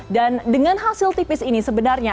dan dengan hasil tipis ini sebenarnya